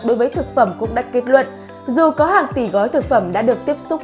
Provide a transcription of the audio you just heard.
đối với thực phẩm cũng đã kết luận dù có hàng tỷ gói thực phẩm đã được tiếp xúc